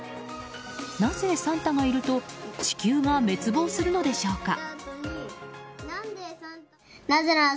なぜサンタがいると地球が滅亡するのでしょうか。